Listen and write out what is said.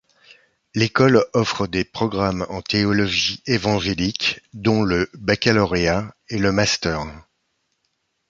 L’école offre des programmes en théologie évangélique, dont le baccalauréat et le master.